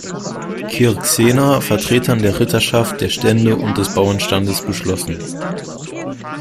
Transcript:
Cirksena, Vertretern der Ritterschaft, der Stände und des Bauernstandes beschlossen.